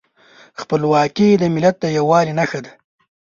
خپلواکي د ملت د یووالي نښه ده.